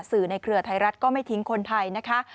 ในเครือไทยรัฐก็ไม่ทิ้งคนไทยนะคะ